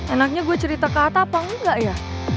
enaknya gue cerita kata apa enggak ya